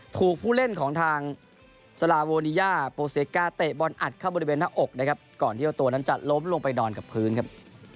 ถูกผู้เล่นของทางสลาโวนิยาโปเซกาเตะบอลอัดเข้าบริเวณหน้าอกนะครับก่อนที่เจ้าตัวนั้นจะล้มลงไปนอนกับพื้นครับ